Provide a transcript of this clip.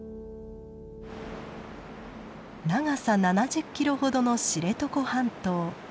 長さ７０キロほどの知床半島。